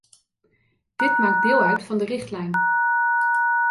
Dit maakt deel uit van de richtlijn.